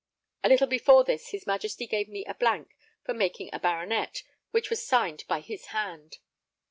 A little before this his Majesty gave me a blank for making a baronet, which was signed by his hand.